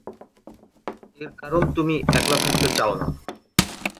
এর কারণ তুমি একলা থাকতে চাও না।